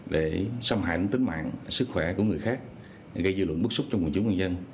để xâm hại tính mạng sức khỏe của người khác gây dư luận bức xúc trong nguồn chủ nguyên dân